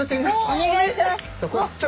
お願いします！